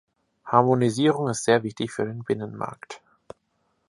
Harmonisierung ist sehr wichtig für den Binnenmarkt.